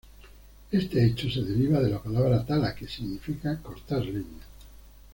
Este hecho se deriva de la palabra "Tala", que significa "cortar leña.